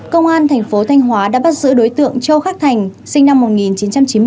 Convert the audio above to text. công an tp thanh hóa đã bắt giữ đối tượng châu khắc thành sinh năm một nghìn chín trăm chín mươi năm